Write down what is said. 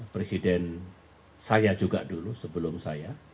presiden saya juga dulu sebelum saya